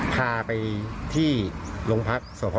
พาไปที่โรงพรรษ